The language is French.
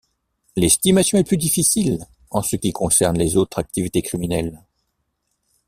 L'estimation est plus difficile en ce qui concerne les autres activités criminelles.